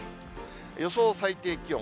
予想最低気温。